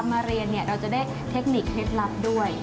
มาเรียนเราจะได้เทคนิคเคล็ดลับด้วย